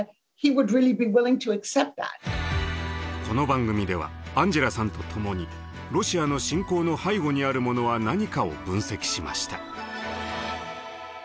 この番組ではアンジェラさんとともにロシアの侵攻の背後にあるものは何かを分析しました。